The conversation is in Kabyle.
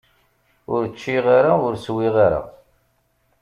Ur ččiɣ ara, ur swiɣ ara.